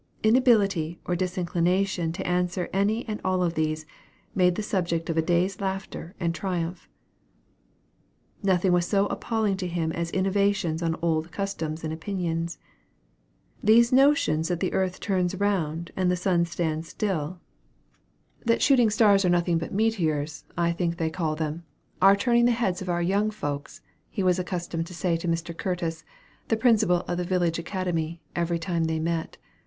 Inability or disinclination to answer any and all of these, made the subject of a day's laughter and triumph. Nothing was so appalling to him as innovations on old customs and opinions. "These notions, that the earth turns round, and the sun stands still; that shooting stars are nothing but little meteors, I think they call them, are turning the heads of our young folks," he was accustomed to say to Mr. Curtis, the principal of the village academy, every time they met.